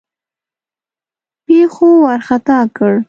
پیښو وارخطا کړ.